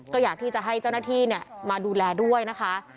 ก็อยากที่จะให้เจ้าหน้าที่มาดูแลด้วยนะคะ